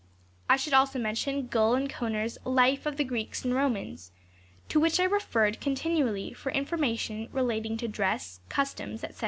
I should also mention Guhl and Koner's " Life of the Greeks and Romans," to which I referred continually for information relating to dress, customs, etc.